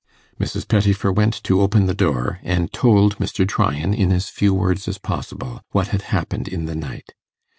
Mrs. Pettifer went to open the door, and told Mr. Tryan, in as few words as possible, what had happened in the night.